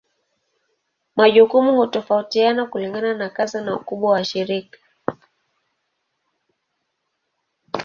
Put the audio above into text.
Majukumu hutofautiana kulingana na kazi na ukubwa wa shirika.